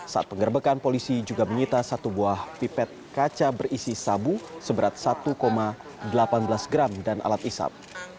saat pengerebekan polisi juga menyita satu buah pipet kaca berisi sabu seberat satu delapan belas gram dan alat isap